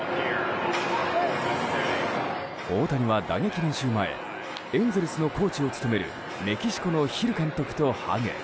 大谷は打撃練習前エンゼルスのコーチを務めるメキシコのヒル監督とハグ。